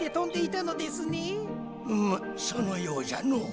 うむそのようじゃのう。